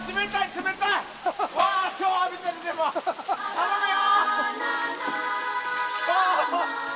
頼むよ！